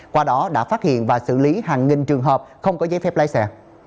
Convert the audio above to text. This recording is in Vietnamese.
qua đó đã phát hiện và xử lý hàng nghìn trường hợp không có giấy phép lái xe